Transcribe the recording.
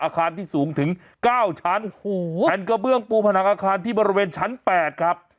อาคารที่สูงถึงเก้าชั้นโอ้โหแผ่นกระเบื้องปูผนังอาคารที่บริเวณชั้น๘ครับ